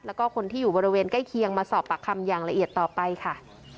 แล้วก็คนที่อยู่บริเวณใกล้เคียงมาสอบปากคำอย่างละเอียดต่อไปค่ะ